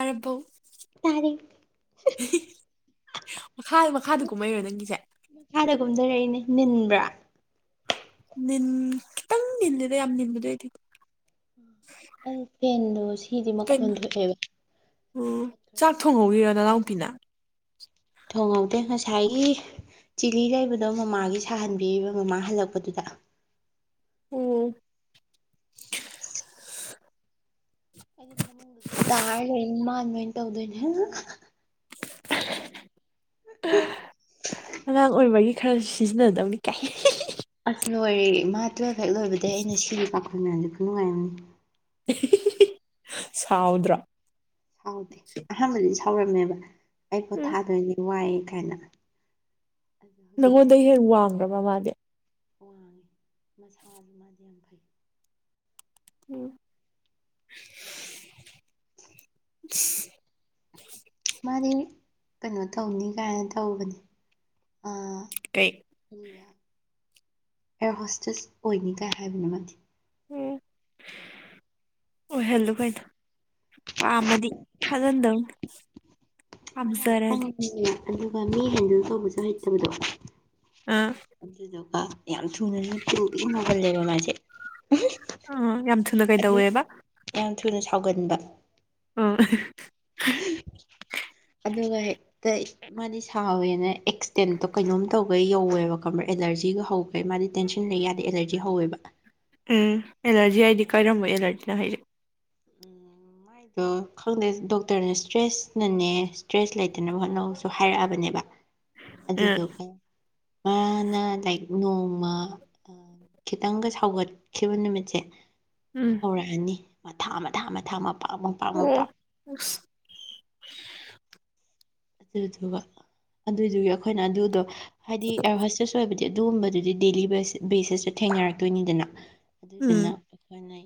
ꯑꯔꯕꯧ ꯇꯥꯔꯦ ꯃꯈꯥ ꯃꯈꯥꯗ ꯀꯨꯝꯍꯩꯔꯣ ꯅꯪꯒꯤꯁꯦ ꯃꯈꯥꯗ ꯀꯨꯝꯊꯔꯛꯏꯅꯦ ꯅꯤꯟꯕ꯭ꯔꯥ ꯅꯤꯡꯟꯈꯤ ꯇꯪꯅꯤꯗꯗ ꯌꯥꯝꯅꯤꯗꯗꯤ ꯑꯩ ꯐꯦꯟꯗꯣ ꯉꯥꯁꯤꯗꯤ ꯃꯈꯣꯟ ꯀꯩꯅꯣ ꯊꯣꯛꯑꯦꯕ ꯑꯣ ꯃꯨꯊꯠꯈ꯭ꯔꯦ ꯆꯥꯛ ꯊꯣꯡꯍꯧꯔꯤꯔꯥ ꯅꯅꯥꯎꯄꯤꯅ ꯊꯣꯡꯍꯧꯗꯦ ꯉꯁꯥꯏꯒꯤ ꯆꯤꯂꯤ ꯂꯩꯕꯗꯣ ꯃꯃꯥꯒꯤ ꯁꯥꯍꯟꯕꯤꯔꯤꯕ ꯃꯃꯥ ꯍꯜꯂꯛꯄꯗꯨꯗ ꯎꯝ [unintelligible] ꯑꯩꯗꯤ ꯐꯥꯃꯨꯡꯗꯗꯨ ꯇꯥꯔ ꯂꯩꯔꯅꯤ ꯃꯥꯅ ꯇꯧꯗꯣꯏꯅꯦ [unintelligible] [unintelligible] ꯑꯉꯥꯡ ꯑꯣꯏꯕꯒꯤ ꯈꯔ ꯁꯤꯖꯤꯟꯅꯗꯕꯅꯤ ꯀꯥꯏ ꯑꯁ ꯂꯣꯏꯔꯦ ꯃꯥ ꯇꯨꯋꯜꯐ ꯍꯦꯛ ꯂꯣꯏꯕꯗꯩ ꯑꯩꯅ ꯁꯤꯒꯤ ꯄꯥꯈꯣꯜ ꯃꯌꯥꯝꯁꯦ ꯈꯨꯅꯨꯡꯉꯥꯏꯑꯝꯅꯤ [unintelligible] ꯁꯥꯎꯗ꯭ꯔꯥ ꯁꯥꯎꯗꯦ ꯑꯍꯥꯟꯕꯗꯤ ꯁꯥꯎꯔꯝꯃꯦꯕ ꯑꯩ ꯎꯝ ꯄꯣꯊꯥꯗꯣꯏꯅꯤ ꯋꯥꯏ ꯀꯥꯏꯅ ꯑꯗꯣ ꯍꯧꯖꯤꯛꯇꯤ ꯅꯪꯉꯣꯟꯗꯩ ꯍꯦꯛ ꯋꯥꯡꯕ꯭ꯔꯕ ꯃꯥꯗꯤ ꯋꯥꯡꯉꯤ ꯃꯁꯥꯁꯨ ꯃꯥꯗꯤ ꯌꯥꯝ ꯐꯩ ꯎꯝ ꯃꯥꯗꯤ ꯀꯩꯅꯣ ꯇꯧꯅꯤ ꯀꯥꯏꯅ ꯇꯧꯕꯅꯦ ꯀꯩ ꯑꯦꯌꯔ ꯍꯣꯁꯇꯦꯁ ꯑꯣꯏꯅꯤ ꯀꯥꯏ ꯍꯥꯏꯕꯅ ꯃꯥꯗꯤ ꯎꯝ ꯑꯣꯏꯍꯜꯂꯨ ꯀꯩꯏꯅꯣ ꯄꯥꯝꯃꯗꯤ ꯊꯥꯖꯟꯗꯧꯅꯤ ꯃꯥꯗꯤ ꯌꯥꯝ ꯄꯥꯝꯖꯔꯗꯤ ꯄꯪꯉꯦ ꯑꯗꯨꯒ ꯃꯤ ꯍꯦꯟꯗꯜ ꯇꯧꯕꯁꯨ ꯍꯩꯇꯕꯗꯣ ꯑꯥ ꯑꯗꯨꯗꯨꯒ ꯌꯥꯝ ꯊꯨꯅꯁꯨ ꯇꯨꯅꯒꯜꯂꯦꯕ ꯃꯥꯁꯦ ꯑꯥ ꯌꯥꯝ ꯊꯨꯅ [unintelligible] ꯑꯗꯨ ꯀꯩꯗꯧꯋꯦꯕ ꯌꯥꯝ ꯊꯨꯅ ꯁꯥꯎꯒꯟꯕ ꯎꯝ [unintelligible] ꯑꯗꯨꯒ ꯍꯦꯛꯇ ꯃꯥꯗꯤ ꯁꯥꯎꯋꯦꯅ ꯑꯦꯛꯁꯇꯦꯟꯇꯣ ꯀꯩꯅꯣꯝ ꯇꯧꯒ ꯌꯧꯋꯦꯕ ꯈꯪꯕ꯭ꯔ ꯑꯦꯂꯔꯖꯤꯒ ꯍꯧ ꯗꯩ ꯃꯥꯗꯤ ꯇꯦꯟꯁꯟ ꯂꯩ ꯌꯥꯗꯦ ꯑꯦꯂꯔꯖꯤ ꯍꯧꯋꯦꯕ ꯎꯝ ꯑꯦꯂꯔꯖꯤ ꯍꯥꯏꯗꯤ ꯀꯔꯝꯕ ꯑꯦꯂꯔꯖꯤꯅꯣ ꯍꯥꯏꯖꯦ ꯃꯥꯏꯗꯣ ꯈꯪꯗꯦ ꯗꯣꯛꯇꯔꯅ ꯏꯁꯇ꯭ꯔꯦꯁꯅꯅꯦ ꯁꯇ꯭ꯔꯦꯁ ꯂꯩꯇꯅꯕ ꯍꯣꯠꯅꯧꯁꯨ ꯍꯥꯏꯔꯛꯑꯕꯅꯦꯕ ꯑꯥ ꯑꯗꯨꯗꯣꯒꯤ ꯃꯥꯅ ꯂꯥꯛꯏ ꯅꯣꯡꯃ ꯈꯤꯇꯪꯒ ꯁꯥꯎꯒꯠꯈꯤꯕ ꯅꯨꯃꯤꯠꯁꯦ ꯎꯝ ꯍꯧꯔꯛꯑꯅꯤ ꯃꯊꯥ ꯃꯊꯥ ꯃꯊꯥ ꯃꯄꯥ ꯎꯝ [unintelligible] ꯑꯗꯨꯗꯨꯒ ꯑꯗꯨꯏꯗꯨꯒꯤ ꯑꯩꯈꯣꯏꯅ ꯑꯗꯨꯗꯣ ꯍꯥꯏꯗꯤ ꯑꯦꯔꯚꯁꯇꯦꯁ ꯑꯣꯏꯕꯗꯤ ꯑꯗꯨꯒꯨꯝꯕꯗꯨꯗꯤ ꯗꯦꯂꯤ ꯕꯦꯁꯤꯁꯇ ꯊꯦꯡꯅꯔꯛꯇꯣꯏꯅꯤꯗꯅ ꯑꯗꯨꯗꯨꯅ ꯎꯝ ꯑꯩꯈꯣꯏꯅ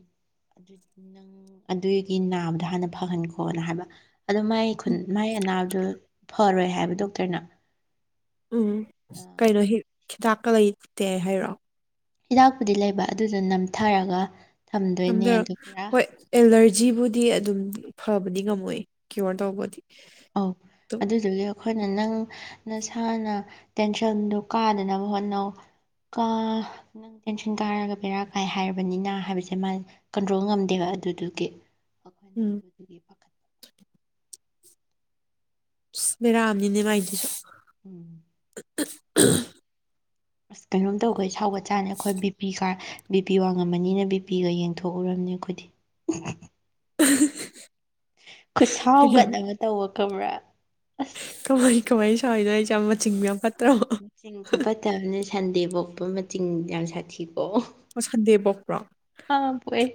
ꯅꯪ ꯑꯗꯨꯒꯤ ꯅꯥꯕꯗꯣ ꯍꯥꯟꯅ ꯐꯍꯟꯈꯣꯅ ꯍꯥꯏꯕ ꯑꯗꯣ ꯃꯥꯏ ꯈꯨꯟ ꯃꯥꯏ ꯑꯅꯥꯕꯗꯨꯣ ꯐꯔꯣꯏ ꯍꯥꯏꯕ ꯗꯣꯛꯇꯔꯅ ꯎꯝ ꯀꯩꯅꯣ ꯍꯤꯗꯥꯛꯀꯥ ꯂꯩꯇꯦ ꯍꯥꯏꯔꯣ ꯍꯤꯗꯥꯛꯄꯨꯗꯤ ꯂꯩꯕ ꯑꯗꯨꯗꯨ ꯅꯝꯊꯔꯒ ꯊꯝꯗꯣꯏꯅꯦ ꯅꯝꯖꯔ ꯑꯗꯨ ꯄꯨꯔꯥ ꯍꯣꯏ ꯑꯦꯂꯔꯖꯤꯕꯨꯗꯤ ꯑꯗꯨꯝ ꯐꯕꯗꯤ ꯉꯝꯃꯣꯏ ꯀ꯭ꯌꯣꯔ ꯇꯧꯕꯗꯤ ꯑꯧ ꯑꯗꯨꯝ ꯑꯗꯨꯗꯨꯒꯤ ꯑꯩꯈꯣꯏꯅ ꯅꯪ ꯅꯁꯥꯅ ꯇꯦꯟꯁꯟꯗꯨ ꯀꯥꯗꯅꯕ ꯍꯣꯠꯅꯧ ꯀꯥ ꯅꯪ ꯇꯦꯟꯁꯟ ꯀꯥꯔꯒ ꯕꯦꯔꯥ ꯀꯥꯏ ꯍꯥꯏꯔꯕꯅꯤꯅ ꯍꯥꯏꯕꯁꯦ ꯃꯥ ꯀꯟꯇ꯭ꯔꯣꯜ ꯉꯝꯗꯦꯕ ꯑꯗꯨꯗꯨꯒꯤ ꯎꯝ ꯄꯥꯈ ꯏꯁ ꯕꯦꯔꯥꯝꯅꯤꯅꯦ ꯃꯥꯏꯗꯨꯁꯨ ꯎꯝ [unintelligible] ꯑꯁ ꯀꯩꯅꯣꯝ ꯇꯧꯈ ꯁꯥꯎꯒ ꯆꯥꯅꯤ ꯑꯩꯈꯣꯏ ꯕꯤ ꯄꯤ ꯀꯥ ꯕꯤꯄꯤ ꯋꯥꯡꯉꯝꯃꯅꯤꯅ ꯕꯤꯄꯤꯒ ꯌꯦꯡꯊꯣꯛꯎꯔꯅꯤ ꯑꯩꯈꯣꯏꯗꯤ ꯎ [unintelligible] ꯈꯨꯠꯁꯥꯎꯒꯠꯅꯒ ꯇꯧꯕ ꯈꯕ꯭ꯔꯥ ꯑꯁ ꯀꯃꯥꯏ ꯀꯃꯥꯏ ꯁꯋꯥꯏꯅꯣ ꯑꯩꯁ‌ꯦ ꯃꯆꯤꯟꯕ ꯌꯥꯝ ꯐꯠꯇ꯭ꯔꯕꫭ ꯃꯆꯤꯡ ꯈꯨꯣꯄꯠꯇꯕꯅꯤ ꯁꯟꯗꯦ ꯄꯣꯛꯄ ꯃꯆꯤꯟ ꯌꯥꯝ ꯁꯥꯊꯤꯀꯣ ꯑꯣ ꯁꯟꯗꯦ ꯄꯣꯛꯄ꯭ꯔꯣ ꯑ ꯄꯑꯦ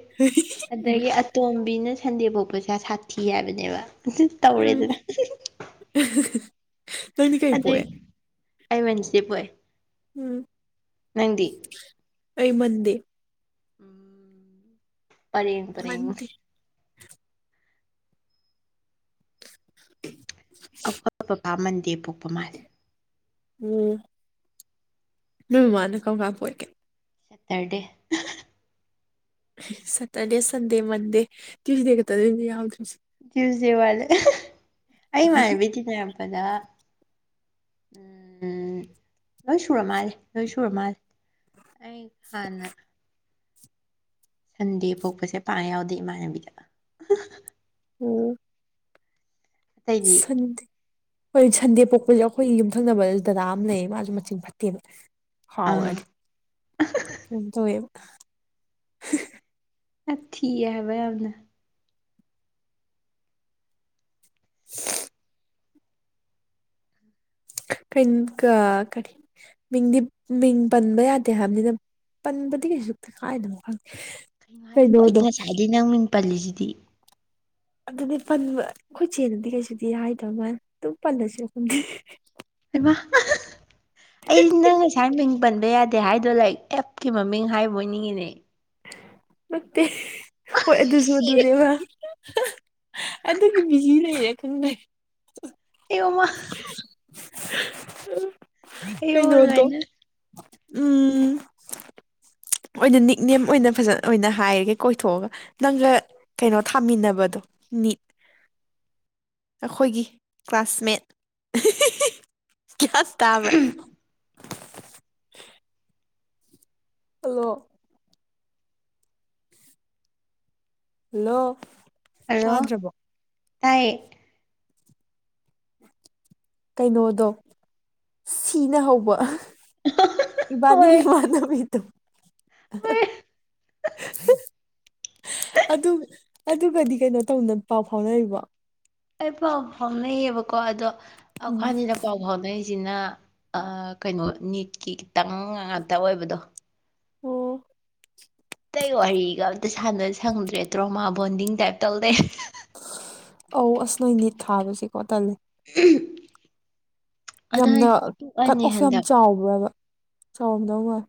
ꯎꯝ ꯑꯗꯒꯤ [unintelligible] ꯑꯇꯣꯝꯕꯤꯅ ꯁꯟꯗꯦ ꯄꯣꯛꯄꯁꯦ ꯁꯥꯊꯤ ꯍꯥꯏꯕꯅꯦꯕ ꯑꯗꯨ ꯎꯝ ꯇꯧꯔꯦꯗꯅ [unintelligible] ꯅꯪꯗꯤ ꯀꯩ ꯑꯗꯩ ꯄꯣꯛꯑꯦ ꯑꯩ ꯋꯥꯏꯅꯁꯗ‌ꯦ ꯄꫭꯛꯑ‌ꯦ ꯎꯝ ꯑꯩ ꯃꯟꯗꯦ ꯎꯝ ꯄꯔ‌ꯦꯡ ꯄꯔ‌ꯦꯡ ꯃꯟꯗꯦ [unintelligible] ꯑꯈꫭꯏ ꯕꯕꯥ ꯃꯟꯗꯦ ꯄꯣꯛꯄ ꯃꯥꯜꯂꯦ ꯎꯝ ꯅꯣꯏꯃꯃꯥꯅ ꯀꯔꯝ ꯀꯥꯟ ꯄꯣꯛꯀꯦ Saturday Saturday Sunday Monday Tuesday ꯀ ꯇ ꯑꯗꯨ ꯌꯥꯎꯗ꯭ꯔꯁ‌ꯦ ꯇ꯭ꯌꯨꯁ ꯗꯦ ꯋꯥꯂꯦ ꯑꯩ ꯃꯅꯦꯕꯤꯇꯅꯔꯛꯄꯗ ꯎꯝ ꯂꯣꯏ ꯁꯨꯔ ꯃꯥꯂꯦ ꯂꯣꯏ ꯁꯨꯔ ꯃꯥꯂꯦ ꯑꯩ ꯍꯥꯟꯅ ꯁꯟꯗꯦ ꯄꯣꯛꯄꯁꯦ ꯄꯥꯛꯅ ꯌꯥꯎꯗꯦ ꯏꯃꯥꯟꯅꯕꯤꯗ ꯎꯝ ꯑꯇꯩꯗꯤ ꯁꯟꯗ‌ꯦ ꯍꯣꯏ ꯁꯟꯗꯦ ꯄꯣꯛꯄꯁꯦ ꯑꯩꯈꯣꯏꯒꯤ ꯌꯨꯝꯊꯪꯅꯕ ꯗꯗꯥ ꯑꯃ ꯂꯩꯌꯦ ꯃꯥꯁꯨ ꯃꯆꯤꯡ ꯐꯠꯇꯦꯕ ꯑꯥ ꯁꯥꯎꯒꯔꯗꯤ ꯀꯩꯅꫭꯝ ꯇꯧꯋ‌ꯦꯕ ꯑ ꯊꯤꯕ [unintelligible] ꯌꯥꯝꯅ [unintelligible] ꯀꯔꯤ ꯃꯤꯡꯗꯤ [unintelligible] ꯃꯤꯡ ꯄꯟꯕ ꯌꯥꯗꯦ ꯍꯥꯏꯕꯅꯤꯅ ꯄꯟꯕꯗꯤ ꯀꯩꯁꯨꯛꯇ ꯀꯥꯏꯗꯔꯕ ꯈꯪꯗꯦ ꯀꯩꯅꯣ ꯍꯥꯏꯁꯤꯕꯣ ꯑꯩꯗꯤ ꯀꯩꯅꯣꯗꯣ ꯉꯁꯥꯏꯗꯒꯤ ꯅꯪ ꯃꯤꯡ ꯄꯜꯂꯤꯁꯤꯗꯤ ꯑꯗꯨꯗꯤ ꯄꯟꯕ ꯑꯩꯈꯣꯏ ꯆꯦꯅꯗꯤ ꯀꯩꯁꯨꯗꯤ ꯍꯥꯏꯗꯕꯃ ꯑꯗꯨꯝ ꯄꯜꯂꯁꯤꯔ ꯈꯩꯗ‌ꯦ ꯏꯃ [unintelligible] ꯑꯩ ꯅꯪ ꯉꯁꯥꯏ ꯃꯤꯃꯤꯡ ꯄꯟꯕ ꯌꯥꯗꯦ ꯍꯥꯏꯗꯣ ꯂꯥꯏꯔꯤꯛ ꯑꯦꯞꯀꯤ ꯃꯃꯤꯡ ꯍꯥꯏꯕ ꯑꯣꯏꯅꯤꯡꯉꯤꯅꯦ ꯅꯠꯇꯦ ꯍꯣꯏ ꯑꯗꯨꯁꯨ ꯁꯤꯔꯦ ꯑꯗꯨꯅꯦꯕ ꯑꯗꯨꯒꯤ ꯕꯤꯖꯤ ꯂꯩꯔꯦ ꯈꯪꯗ‌ꯦ ꯑꯌ‌ꫭꯃ ꯑꯌꯣ ꯀꯩꯅꯣꯗꯣ ꯂꯣꯏꯅ ꯎꯝ ꯑꯣꯏꯅ ꯅꯤꯛꯅꯦꯝ ꯑꯣꯏꯅ ꯐꯖꯅ ꯑꯣꯏꯅ ꯍꯥꯏꯔꯒꯦ ꯀꯣꯏꯊꯣꯛꯑꯒ ꯅꯪꯒ ꯀꯩꯅꯣ ꯊꯥꯃꯤꯟꯅꯕꯗꯣ ꯅꯤꯠ ꯑꯩꯈꯣꯏꯒꯤ ꯀ꯭ꯂꯥꯁꯃꯦꯠ ꯀꯌꯥꯁ ꯇꯕꯔꯥ ꯍꯜꯂꯣ ꯍꯜꯂꫭ ꯍꯜꯂꫭ ꯇꯥꯏꯌ‌ꯦ ꯀꯩꯅꯣꯗꯣ ꯁꯤꯅ ꯍꯧꯕ ꯏꯕꯥꯅꯤ ꯏꯃꯥꯟꯅꯕꯤ ꯗꫭ ꯑ [unintelligible] ꯑꯗꯨ ꯑꯗꯨꯒꯗꯤ ꯀꯩꯅꯣ ꯇꯧꯅ ꯄꯥꯎ ꯐꯥꯎꯅꯔꯤꯕꯣ ꯑꯩ ꯄꯥꯎ ꯐꯥꯎꯅꯩꯌꯦꯕꯀꯣ ꯑꯗꯣ ꯎꯝ ꯑꯩꯈꫭꯏꯅꯤꯅ ꯄꯥꯎ ꯐꯥꯎꯅꯩꯁꯤꯅ ꯑꯥ ꯀꯩꯅꯣ ꯅꯤꯠꯀꯤ ꯈꯤꯇꯪ ꯉꯥꯛꯇ ꯑꯣꯏꯕꯗꯣ ꯑꯣ ꯑꯇꯩ ꯋꯥꯔꯤꯒ ꯑꯝꯇ ꯁꯥꯟꯅ ꯁꯪꯗ꯭ꯔꯦ ꯗ꯭ꯔꯣꯃꯥ ꯕꯣꯟꯗꯤꯡ ꯇꯥꯏꯞ ꯇꯧꯂꯩꯔ‌ꯦ ꯑꯧ ꯑꯁ ꯅꯣꯏ ꯅꯤꯠ ꯊꯥꯕꯁꯤꯀꯣ ꯇꯜꯂꯦ [inaudible] ꯑꯗꯣ ꯌꯥꯝꯅ ꯑꯩꯗꯤ ꯀꯠ ꯇꯣꯛꯑꯅꯤ ꯑꯣꯐ ꯌꯥꯝ ꯍꯟꯗꯛ ꯆꯥꯎꯕ꯭ꯔꯥꯕ ꯆꯥꯎꯔꯝꯗꯧ ꯃꯥꯣꯏ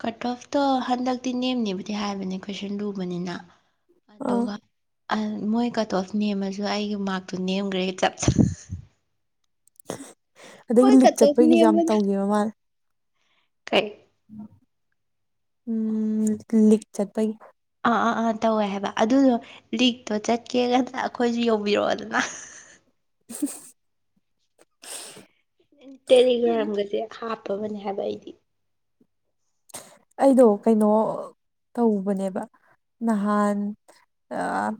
ꯀꯠ ꯑꯣꯐꯇꯣ ꯍꯟꯗꯛꯇꯤ ꯅꯦꯝꯅꯦꯕꯨꯗꯤ ꯍꯥꯏꯕꯅꯦ ꯀꯣꯏꯁꯟ ꯂꯨꯕꯅꯤꯅ ꯑꯥ ꯑꯗꯨꯒ ꯑꯗꯨꯒ ꯃꯣꯏ ꯀꯠ ꯑꯣꯐ ꯅꯦꯝꯃꯁꯨ ꯑꯩꯒꯤ ꯃꯥꯔꯛꯇꯣ ꯅꯦꯝꯈ꯭ꯔꯦ ꯆꯞ ꯃꯣꯏ ꯑꯗꯒꯤ ꯂꯤꯛ ꯀꯠ ꯑꯣꯐ ꯆꯠꯄꯒꯤꯁꯨ ꯌꯥꯝ ꯅꯦꯝꯕꯗ ꯇꯧꯒꯦꯕ ꯃꯥꯅꯦ ꯀꯩ [unintelligible] ꯎꯝ ꯂꯤꯈ ꯆꯠ ꯄꯒꯤ ꯑꯥ ꯑꯥ ꯑꯥ ꯇꯧꯋꯦ ꯍꯥꯏꯕ ꯑꯗꯨꯗꯣ ꯂꯤꯔꯤꯛꯇꯣ ꯆꯠꯀꯦ ꯉꯅ ꯑꯩꯈꯣꯏꯁꯨ ꯌꯧꯕꯤꯔꯛꯑꯣꯗꯅ [unintelligible] ꯇꯦꯂꯤꯒ꯭ꯔꯥꯝꯒꯁꯦ ꯍꯥꯞꯄꯕꯅꯦ ꯍꯥꯏꯕ ꯑꯩꯗꯤ ꯑꯩꯗꯣ ꯀꯩꯅꯣ ꯇꯧꯕꯅꯦꯕ ꯅꯍꯥꯟ ꯑ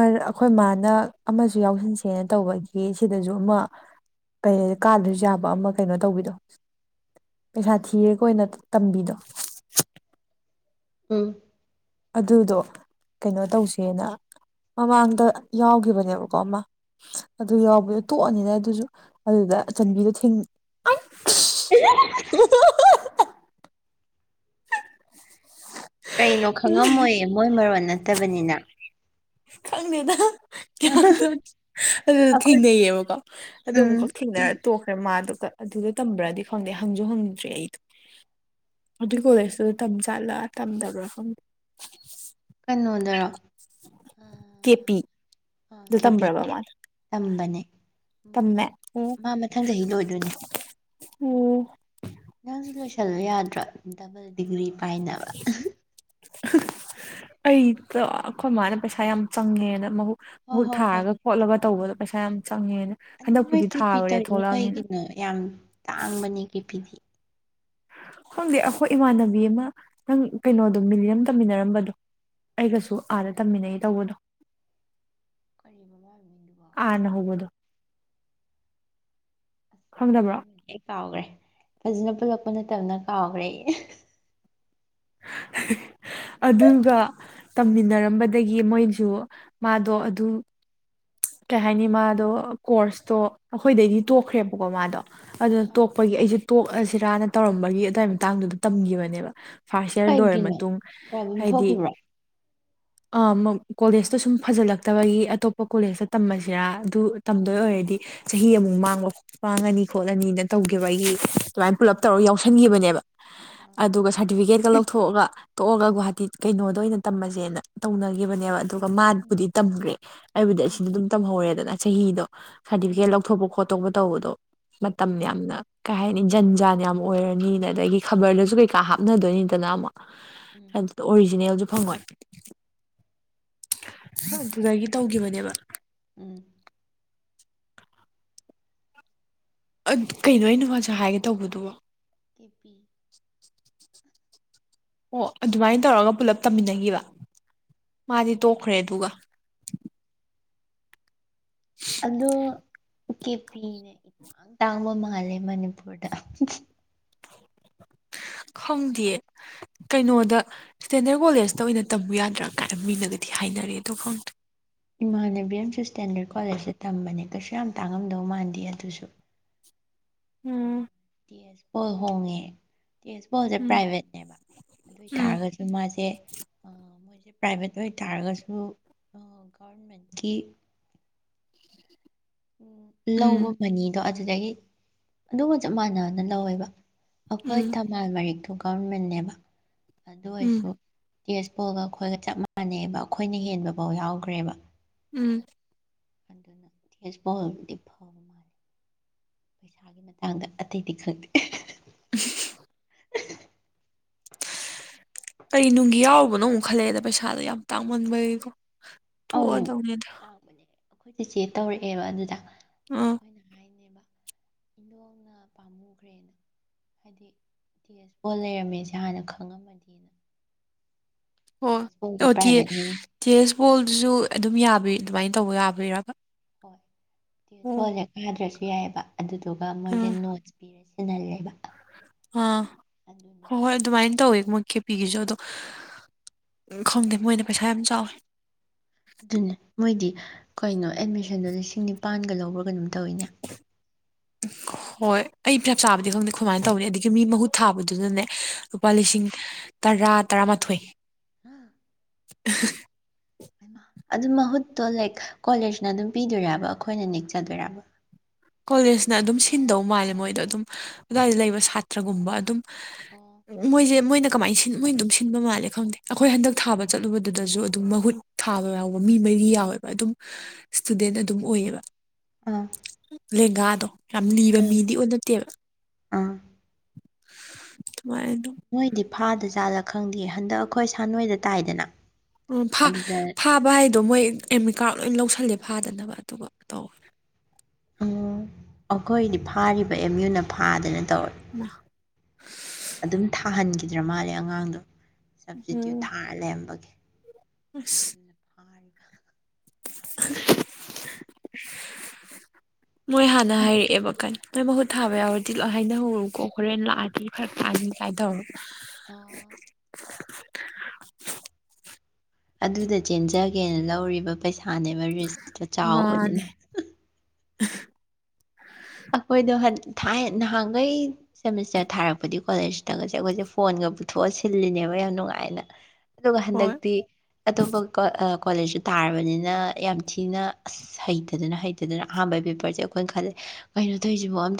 ꯑꯩꯈꯣꯏ ꯃꯥꯅ ꯑꯃꯁꯨ ꯌꯥꯎꯁꯟꯁꯦꯅ ꯇꯧꯕꯒꯤ ꯁꯤꯗꯁꯨ ꯑꯃ ꯀꯩ ꯀꯥꯗ꯭ꯔꯁꯨ ꯌꯥꯕ ꯑꯃ ꯀꯩꯅꯣ ꯇꯧꯕꯤꯗꯣ ꯄꯩꯁꯥ ꯊꯤꯔꯦ ꯀꯣꯅ ꯇꯝꯕꯤꯗꯣ ꯎꯝ ꯑꯗꯨꯗꯣ ꯀꯩꯅꯣ ꯇꯧꯁꯦꯅ ꯃꯃꯥꯡꯗ ꯌꯥꯎꯈꯤꯕꯅꯦꯕꯀꯣ ꯑꯃ ꯑꯗꯨ ꯌꯥꯎꯕꯗꯣ ꯇꯣꯛꯑꯅꯤꯅ ꯑꯗꯨꯁꯨ ꯑꯗꯨꯗ ꯆꯟꯕꯤꯗꯣ ꯊꯦꯡ [unintelligible] ꯀꯩꯅꯣ ꯈꯪꯉꯝꯃꯣꯏꯌꯦ ꯃꯣꯏ ꯃꯔꯣꯟ ꯅꯠꯇꯕꯅꯤꯅ ꯈꯪꯗꯦꯗ ꯌꯥꯝ ꯑꯗꯨ ꯑꯩꯈꯣꯏ ꯊꯦꯡꯅꯩꯌꯦꯕꯀꯣ ꯑꯗꯨ ꯎꯝ ꯑꯃꯨꯛꯀꯛ ꯊꯦꯡꯅꯔ ꯇꯣꯛꯈ꯭ꯔꯦ ꯃꯥꯗꯣ ꯑꯗꯨꯗꯣ ꯇꯝꯕ꯭ꯔꯗꯤ ꯈꯪꯗꯦ ꯍꯪꯁꯨ ꯍꯪꯗ꯭ꯔꯦ ꯑꯩꯗꯣ ꯑꯗꯨꯏ ꯀꯣꯂꯦꯖꯇꯨꯗ ꯇꯝ ꯆꯠꯂ ꯇꯝꯗꯔꯥ ꯈ ꯀꯩꯅꯣꯗꯔꯣ ꯀꯦ ꯄꯤꯗꯨ ꯀꯦꯄꯤ ꯇꯝꯕ꯭ꯔꯕ ꯃꯥꯗ ꯇꯝꯕꯅꯦ ꯎꯝ ꯑꯣ ꯃꯥ ꯃꯊꯪ ꯆꯍꯤ ꯂꯣꯏꯗꯣꯏꯅꯦ ꯑꯣ ꯅꯪꯁꯨ ꯂꯣꯏꯁꯤꯜꯂ ꯌꯥꯗ꯭ꯔꯣ ꯗꯕꯜ ꯗꯤꯒ꯭ꯔꯤ ꯄꯥꯏꯅꯕ ꯑꯩꯗ ꯑꯩꯈꯣꯏ ꯃꯥꯅ ꯄꯩꯁꯥ ꯌꯥꯝ ꯆꯪꯉꯦꯅ ꯃꯍꯕꯨ ꯍꯣꯏ ꯃꯨꯠ ꯍꯣꯏ ꯍꯣꯏ ꯊꯥꯔꯒ ꯈꯣꯠꯂꯒ ꯇꯧꯕꯗꯣ ꯄꯩꯁꯥ ꯌꯥꯝ ꯆꯪꯉꯦꯅ ꯅꯣꯏ ꯍꯟꯗꯛꯄꯨꯗꯤ ꯀꯤꯔꯄꯤꯤ ꯊꯥꯔꯨꯔꯦ ꯇꯧꯔꯤꯅꯣ ꯊꯣꯛꯂꯛꯑꯕꯅꯤꯅ ꯀꯩꯒꯤꯅꯣ ꯌꯥꯝ ꯇꯥꯡꯕꯅꯦ ꯀꯤꯔꯄꯤꯗꯤ ꯈꯪꯗꯤ ꯑꯩꯈꯣꯏ ꯏꯃꯥꯟꯅꯕꯤ ꯑꯃ ꯀꯩꯅꯣꯗꯣ ꯃꯤꯂꯤꯔꯝ ꯇꯝꯃꯤꯟꯅꯔꯝꯕꯗꯣ ꯑꯩꯒꯁꯨ ꯑꯥꯗ ꯇꯝꯃꯤꯟꯅꯩ ꯇꯧꯕꯗꯣ ꯑꯥꯔꯅ ꯍꯧꯕꯗꯣ [unintelligible] ꯑꯁ ꯑꯃ ꯈꯪꯗꯕ꯭ꯔꯣ ꯍꯥꯏꯔꯝꯃꯗꯤ ꯑꯩ ꯀꯥꯎꯈ꯭ꯔꯦ ꯐꯖꯅ ꯄꯨꯜꯂꯛꯄ ꯅꯠꯇꯕꯅ ꯀꯥꯎꯈ꯭ꯔꯦ ꯑꯗꯨꯒ ꯇꯝꯃꯤꯟꯅꯔꯝꯕꯗꯒꯤ ꯃꯣꯏꯁꯨ ꯃꯥꯗꯣ ꯑꯗꯨ ꯀꯩ ꯍꯥꯏꯅꯤ ꯃꯥꯗꯣ ꯀꯣꯔꯁꯇꯣ ꯑꯩꯈꯣꯏꯗꯩꯗꯤ ꯇꯣꯛꯈ꯭ꯔꯦꯕꯀꯣ ꯃꯥꯗꯣ ꯑꯗꯨꯅ ꯑꯥ ꯇꯣꯛꯄꯒꯤ ꯑꯩꯁꯦ ꯇꯣꯛꯑꯁꯤꯔꯅ ꯇꯧꯔꯝꯕꯒꯤ ꯑꯗꯨꯋꯥꯏ ꯃꯇꯥꯡꯗꯨꯗ ꯇꯝꯈꯤꯕꯅꯦꯕ ꯐꯥꯔꯁ ꯏꯌꯥꯔ ꯂꯣꯏꯔ ꯀꯩꯒꯤꯅꯣ ꯃꯇꯨꯡ ꯄ꯭ꯔꯣꯕ꯭ꯂꯦꯝ ꯍꯥꯏꯗꯤ ꯊꯣꯛꯈꯤꯕ꯭ꯔꯣ ꯀꯣꯂꯦꯖꯇ ꯁꯨꯝ ꯐꯖꯜꯂꯛꯇꯕꯒꯤ ꯑꯇꯣꯞ ꯀꯣꯂꯦꯖꯇ ꯇꯝꯁꯤꯔꯥ ꯑꯗꯨ ꯇꯝꯗꯣꯏ ꯑꯣꯏꯔꯗꯤ ꯆꯍꯤ ꯑꯃꯨꯛ ꯃꯥꯡꯕ ꯄꯥꯡꯉꯅꯤ ꯈꯣꯠꯂꯅꯤꯅ ꯇꯧꯈꯤꯕ ꯑꯩꯒꯤ ꯁꯨꯃꯥꯏꯅ ꯑ ꯄꯨꯜꯂꯞ ꯇꯧꯔꯒ ꯌꯥꯎꯁꯟꯈꯤꯕꯅꯦꯕ ꯑ ꯑꯗꯨꯒ ꯁꯥꯔꯇꯤꯐꯤꯀꯦꯠꯀ ꯂꯧꯊꯣꯛꯑꯒ ꯇꯣꯛꯑꯒ ꯒꯨꯍꯥꯇꯤ ꯀꯩꯅꯣꯗ ꯑꯣꯏꯅ ꯇꯝꯝꯕꯁꯦꯅ ꯇꯧꯅꯈꯤꯕꯅꯦꯕ ꯑꯗꯨ ꯎꯝ ꯕꯨꯗꯤ ꯇꯝꯈ꯭ꯔꯦ ꯍꯥꯏꯕꯨꯗꯤ ꯎꯝ ꯑꯁꯤꯗ ꯑꯗꯨꯝ ꯇꯝꯍ ꯑꯣꯏꯔꯦꯗꯅ ꯆꯍꯤꯗꯣ ꯁꯥꯔꯇꯤꯐꯤꯀꯦꯠ ꯎꯝ ꯂꯧꯊꯣꯛꯄ ꯈꯣꯠꯇꯣꯛꯄ ꯇꯧꯕꯗꯣ ꯎꯝ ꯃꯇꯝ ꯌꯥꯝꯅ ꯀꯩ ꯍꯥꯏꯅꯤ ꯖꯟ ꯖꯥꯟ ꯌꯥꯝꯅ ꯑꯣꯏꯔꯅꯤ ꯑꯗꯒꯤ ꯈꯕꯔꯗꯁꯨ ꯀꯩꯀꯥ ꯍꯥꯞꯅꯗꯣꯏꯅꯤꯗꯅ ꯑꯃꯨꯛ ꯎꯝ ꯑꯗꯨꯗꯣ ꯑꯣꯔꯤꯖꯤꯅꯦꯜꯖꯨ ꯐꯪꯉꯣꯏ ꯑꯁ ꯑꯗꯨꯗꯒꯤ ꯒꯤꯕꯅꯦꯕ ꯎꯝ ꯑꯠ ꯀꯩꯅꯣ ꯑꯩꯅ ꯉꯁꯥꯏ ꯍꯥꯏꯒꯦ ꯇꯧꯕꯗꯨꯕꯣ ꯀꯦꯄꯤ ꯑꯣ ꯑꯗꯨꯃꯥꯏꯟ ꯇꯧꯔꯒ ꯄꯨꯂꯞ ꯇꯝꯃꯤꯟꯅꯒꯤꯕ ꯃꯥꯗꯤ ꯑꯣ ꯇꯣꯛꯈ꯭ꯔꯦ ꯑꯗꯨꯒ [unintelligible] ꯑꯗꯣ ꯀꯦꯄꯤꯅ ꯏꯇꯥꯡ ꯇꯥꯡꯕ ꯃꯥꯜꯂꯦ ꯃꯅꯤꯄꯨꯔꯗ ꯈꯪꯗꯤꯌꯦ ꯀꯩꯅꯣꯗ ꯁ꯭ꯇꯦꯟꯗꯔ ꯀꯣꯂꯦꯖꯇ ꯑꯣꯏꯅ ꯇꯝꯃꯨ ꯌꯥꯗ꯭ꯔꯥ ꯀꯥꯏ ꯃꯤꯅꯒꯗꯤ ꯍꯥꯏꯅꯔꯦ ꯑꯗꯣ ꯈꯪ ꯏꯃꯥꯟꯅꯕꯤ ꯑꯝꯁꯨ ꯁ꯭ꯇꯦꯟꯗꯔꯠ ꯀꯣꯂꯦꯖꯇ ꯇꯝꯕꯅꯦ ꯀꯩꯁꯨ ꯌꯥꯝ ꯇꯥꯡꯉꯝꯗꯧ ꯃꯥꯟꯗꯦ ꯑꯗꯨꯁꯨ ꯎꯝ ꯑꯦ ꯑꯦꯁ ꯄꯣꯜ ꯍꯣꯡꯉꯦ ꯇꯦꯁꯄꯣꯜꯖꯦ ꯎꯝ ꯄ꯭ꯔꯥꯏꯚꯦꯠꯅꯦꯕ ꯑꯗꯨ ꯎꯝ ꯑꯣꯏꯇꯥꯔꯒꯗꯤ ꯑꯗꯨ ꯃꯥꯖꯦ ꯑ ꯃꯣꯏꯖꯦ ꯄ꯭ꯔꯥꯏꯚꯦꯠ ꯑꯣꯏꯇꯥꯔꯒꯁꯨ ꯒꯔꯃꯦꯠꯀꯤ ꯎꯝ ꯂꯧꯕ ꯎꯝ ꯃꯅꯤꯗꯣ ꯑꯗꯨꯗꯒꯤ ꯑꯗꯨꯒ ꯆꯞ ꯃꯥꯟꯅꯅ ꯂꯧꯋꯦꯕ ꯑꯈꯣꯏ ꯎꯝ ꯊꯝꯕꯥꯜ ꯃꯔꯤꯛꯇꯨ ꯒꯚꯔꯃꯦꯟꯅꯦꯕ ꯑꯗꯨ ꯎꯝ ꯑꯣꯏꯁꯨ ꯇꯦꯖꯄꯣꯜꯒ ꯑꯈꯣꯏꯒ ꯆꯞ ꯃꯥꯟꯅꯩꯕ ꯑꯈꯣꯏꯅ ꯍꯦꯟꯕꯕꯥꯎ ꯌꯥꯎꯒ꯭ꯔꯦꯕ ꯎꯝ ꯑꯗꯨꯅ ꯇꯦꯖꯄꯣꯜ ꯕꯨꯗꯤ ꯐꯕ ꯃꯥꯜꯂꯦ ꯄꯩꯁꯥꯒꯤ ꯃꯇꯥꯡꯗ ꯑꯇꯩꯗꯤ ꯈꯪꯇꯦ [unintelligible] ꯀꯔꯤ ꯅꯨꯡꯒꯤ ꯌꯥꯎꯔꯨꯕꯅꯣ ꯑꯃꯨꯛ ꯈꯜꯂꯛꯑꯦꯗ ꯄꯩꯁꯥꯗꯣ ꯌꯥꯝ ꯇꯥꯡꯃꯟꯕꯩꯒꯣ ꯑꯧ ꯇꯥꯡꯕꯅꯦ ꯑꯈꯣꯏ ꯆꯦꯆꯦ ꯇꯧꯔꯛꯑꯦꯕ ꯑꯗꯨꯗ ꯑꯥ ꯑꯈꯣꯏꯅ ꯍꯥꯏꯅꯦꯕ ꯏꯟꯗꯣꯡꯅ ꯄꯥꯝꯃꯨꯒ꯭ꯔꯦꯅ ꯍꯥꯏꯗꯤ ꯇꯤ ꯑꯦꯁ ꯄꯣꯜ ꯂꯩꯔꯝꯃꯦꯖꯦ ꯍꯥꯟꯅ ꯈꯪꯉꯝꯃꯗꯤꯅ ꯇꯤ ꯑꯣ ꯑꯦꯁ ꯄꯣꯜꯗꯣ ꯑꯣ ꯇꯤꯌꯦ ꯄ꯭ꯔꯥꯏꯚꯦꯠꯅꯤ ꯇꯤ ꯑꯦꯁ ꯄꯣꯜꯗꯨꯖꯨ ꯑꯗꯨꯝ ꯌꯥꯕ꯭ꯔꯤ ꯑꯗꯨꯃꯥꯏꯟ ꯇꯧꯕ ꯌꯥꯕꯩꯔꯕ ꯍꯣꯏ ꯇꯤ ꯑꯦꯁ ꯄꯣꯜ ꯖꯦ ꯀꯗ꯭ꯔꯖꯨ ꯌꯥꯏꯌꯦꯕ ꯑꯗꯨꯗꯨꯒ ꯃꯣꯏꯖꯦ ꯎꯝ ꯅꯣꯠꯁ ꯄꯤꯔ ꯁꯤꯜꯍꯜꯂꯦꯕ ꯑꯥ ꯍꯣꯏ ꯍꯣꯏ ꯑꯗꯨꯃꯥꯏꯟ ꯇꯧꯋꯦ ꯃꯣ ꯀꯦꯄꯤꯒꯤꯖꯨ ꯑꯗꯣ ꯈꯪꯗꯦ ꯃꯣꯏꯅ ꯄꯩꯁꯥ ꯌꯥꯝ ꯆꯥꯎꯋꯦ ꯑꯗꯨꯅꯦ ꯃꯣꯏꯗꯤ ꯀꯩꯅꯣ ꯑꯦꯠꯃꯤꯁꯟꯗꯣ ꯂꯤꯁꯤꯡ ꯅꯤꯄꯥꯟꯒ ꯂꯧꯕ꯭ꯔ ꯀꯩꯅꯣꯝ ꯇꯧꯋꯤꯅꯦ ꯍꯣꯏ ꯑꯩ ꯆꯞ ꯆꯥꯕꯗꯤ ꯈꯪꯗꯦ ꯑꯩꯈꯣꯏ ꯃꯥꯅ ꯇꯧꯕꯅꯦ ꯑꯗꯒꯤ ꯃꯤ ꯃꯍꯨꯠ ꯊꯥꯕꯗꯨꯅꯅꯦ ꯂꯨꯄꯥ ꯂꯤꯁꯤꯡ ꯇꯔꯥ ꯇꯔꯥꯃꯥꯊꯣꯏ [unintelligible] [unintelligible] ꯍꯥꯏꯃ ꯑꯗꯨ ꯃꯍꯨꯠꯇꯣ ꯂꯥꯏꯛ ꯀꯣꯂꯦꯁꯅ ꯑꯗꯨꯝ ꯄꯤꯗꯣꯏꯔꯕ ꯑꯈꯣꯏꯅ ꯅꯦꯛꯆꯗꯣꯏꯔꯕ ꯀꯣꯂꯦꯁꯅ ꯑꯗꯨꯝ ꯁꯤꯟꯗꯧ ꯃꯥꯜꯂꯦ ꯃꯣꯏꯗꯣ ꯑꯗꯨꯝ ꯑꯗꯨꯋꯥꯏꯗ ꯂꯩꯕ ꯁꯥꯇ꯭ꯔꯒꯨꯝꯕ ꯑꯗꯨꯝ ꯑꯣ ꯃꯣꯏꯖꯦ ꯃꯣꯏꯅꯠ ꯀꯃꯥꯏꯟ ꯁꯤꯟ ꯃꯣꯏꯟ ꯗꯨꯝ ꯁꯤꯟꯕ ꯃꯥꯜꯂꯦ ꯈꯪꯗꯦ ꯑꯈꯣꯏ ꯍꯟꯗꯛ ꯊꯥꯕ ꯆꯠꯂꯨꯕꯗꯨꯗꯖꯨ ꯑꯗꯨꯝ ꯃꯍꯨꯠ ꯊꯥꯕ ꯌꯥꯎꯕ ꯃꯤ ꯃꯩꯔꯤ ꯌꯥꯎꯋꯦꯕ ꯑꯗꯨꯝ ꯏꯁꯇꯨꯗꯦꯟ ꯑꯗꯨꯝ ꯑꯣꯏꯌꯦꯕ [unintelligible] ꯂꯦꯡꯒꯥꯗꯣ ꯌꯥꯝ ꯂꯤꯕ ꯎꯝ ꯃꯤꯗꯤ ꯑꯨ ꯅꯠꯇꯦꯕ [unintelligible] ꯑꯗꯨꯃꯥꯏꯑꯗꯨꯝ ꯃꯣꯏꯗꯤ ꯐꯥꯗ ꯖꯥꯂ ꯈꯪꯗꯤꯌꯦ ꯍꯟꯗꯛ ꯑꯈꯣꯏ ꯁꯥꯟꯅꯣꯏꯗ ꯇꯥꯏꯗꯅ ꯎꯝ ꯐꯥ ꯑꯗꯨꯗ ꯐꯥꯕ ꯍꯥꯏꯗꯣ ꯃꯣꯏ ꯑꯦꯝꯃꯤꯠꯀꯥꯔꯠ ꯂꯣꯏ ꯂꯧꯁꯜꯂꯦ ꯐꯥꯗꯅꯕ ꯑꯗꯨꯒ ꯇꯧ ꯑꯣ ꯑꯈꯣꯏꯗꯤ ꯐꯥꯔꯤꯕ ꯑꯦꯝ ꯌꯨꯅ ꯐꯥꯗꯅ ꯇꯧꯋꯦ [unintelligible] ꯑꯗꯨꯝ ꯊꯥꯍꯟꯒꯤꯗ꯭ꯔꯥ ꯃꯥꯂꯦ ꯑꯉꯥꯡꯗꯣ ꯁꯞꯇꯤꯇ꯭ꯌꯨꯠ ꯎꯝ ꯊꯥ ꯂꯝꯕꯒꯤ ꯑꯁ ꯃꯣꯏ ꯍꯥꯟꯅ ꯍꯥꯏꯔꯛꯑꯦꯕ ꯀꯅ ꯅꯣꯏ ꯃꯍꯨꯠ ꯊꯥꯕ ꯌꯥꯎꯔꯗꯤ ꯂꯣ ꯍꯥꯏꯅ ꯍꯧꯔꯧꯀꯣ ꯍꯣꯔꯦꯟ ꯂꯥꯛꯑꯗꯤ ꯈꯔ ꯀꯥꯖꯤꯟ ꯀꯥꯏ ꯇꯧꯔꯣ ꯑ ꯑꯗꯨꯗ ꯖꯦꯟꯖꯒꯦꯅ ꯂꯧꯔꯤꯕ ꯄꯩꯁꯥꯅꯦꯕ ꯔꯤꯁꯇꯣ ꯃꯥꯅꯦ ꯆꯥꯎꯕꯅꯤꯅ ꯑꯩꯈꯣꯏꯗꯣ ꯍꯟ ꯊꯥꯏꯅ ꯅꯍꯥꯟꯈꯩ ꯁꯦꯃꯤꯁꯇꯔ ꯊꯥꯔꯛꯄꯗꯤ ꯀꯣꯂꯦꯖ ꯈꯤꯇꯪꯒꯁꯦ ꯑꯩꯈꯣꯏꯁꯦ ꯐꯣꯟꯒ ꯄꯨꯊꯣꯛꯑ ꯁꯤꯜꯂꯤꯅꯦꯕ ꯌꯥꯝ ꯅꯨꯡꯉꯥꯏꯅ ꯑꯗꯨꯒ ꯍꯣꯏ ꯍꯟꯗꯛꯇꯤ ꯑꯇꯣꯞꯄ ꯀꯣꯂꯦꯖꯁꯨ ꯇꯥꯔꯕꯅꯤꯅ ꯌꯥꯝ ꯊꯤꯅ ꯑꯁ ꯍꯩꯇꯗꯅ ꯍꯩ ꯗꯨꯗ ꯑꯍꯥꯟꯕꯩ ꯄꯦꯄꯔꯁꯦ ꯑꯩꯈꯣꯏꯅ ꯈꯜꯂꯦ ꯀꯩꯅꯣ ‌ꯇꯧꯖꯤꯕꯣ ꯑꯝꯇ